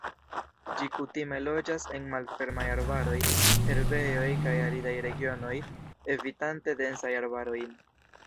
Ĝi kutime loĝas en malfermaj arbaroj, herbejoj kaj aridaj regionoj, evitante densajn arbarojn.